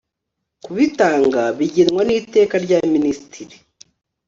kubitanga bigenwa n iteka rya minisitiri